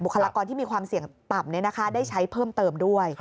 คลากรที่มีความเสี่ยงต่ำได้ใช้เพิ่มเติมด้วย